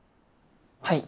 はい。